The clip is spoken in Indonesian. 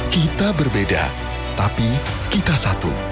kita berbeda tapi kita satu